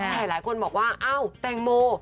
แต่หลายคนบอกว่าอ้าวแตงโม